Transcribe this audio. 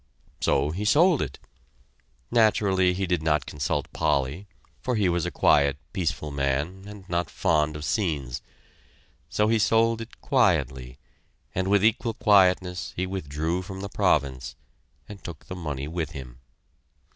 So he sold it; naturally he did not consult Polly, for he was a quiet, peaceful man, and not fond of scenes. So he sold it quietly, and with equal quietness he withdrew from the Province, and took the money with him.